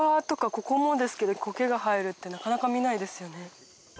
ここもですけどコケが生えるってなかなか見ないですよね。